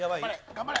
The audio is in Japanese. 頑張れ！